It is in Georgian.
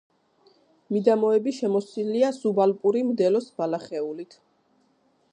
მიდამოები შემოსილია სუბალპური მდელოს ბალახეულით.